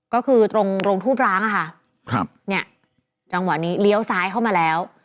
ก็คือตรงโรงทูบร้างอะค่ะครับเนี่ยจังหวะนี้เลี้ยวซ้ายเข้ามาแล้ว